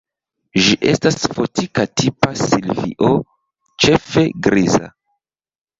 Ĝi estas fortika tipa silvio, ĉefe griza.